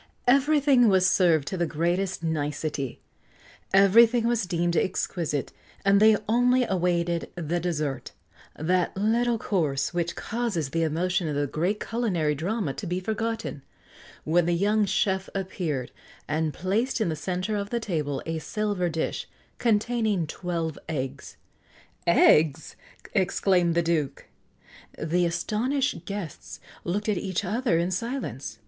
Everything was served to the greatest nicety, everything was deemed exquisite, and they only awaited the dessert that little course which causes the emotion of the great culinary drama to be forgotten when the young chef appeared, and placed in the centre of the table a silver dish, containing twelve eggs. "Eggs!" exclaimed the Duke. The astonished guests looked at each other in silence.